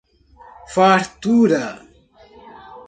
Fartura